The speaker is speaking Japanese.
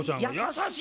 優しい。